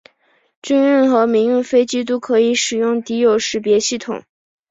军用和民用飞机都可以使用敌友识别系统。